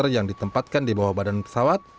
yang ditempatkan di bawah badan pesawat